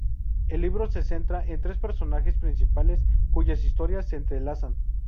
El libro se centra en tres personajes principales cuyas historias se entrelazan.